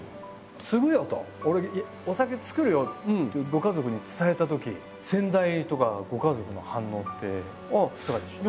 「継ぐよ」と「俺お酒造るよ」ってご家族に伝えたとき先代とかご家族の反応っていかがでした？